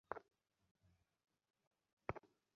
তারা পাঞ্জাবিরা কী জানি বলে?